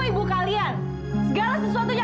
ibu kalian segala sesuatunya